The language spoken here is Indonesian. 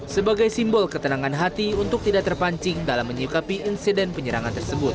sebagai simbol ketenangan hati untuk tidak terpancing dalam menyikapi insiden penyerangan tersebut